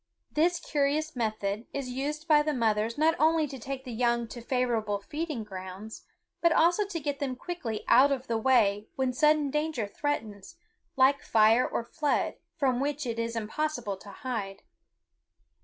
This curious method is used by the mothers not only to take the young to favorable feeding grounds, but also to get them quickly out of the way when sudden danger threatens, like fire or flood, from which it is impossible to hide.